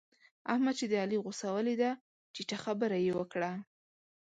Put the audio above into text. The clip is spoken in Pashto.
احمد چې د علي غوسه وليده؛ ټيټه خبره يې وکړه.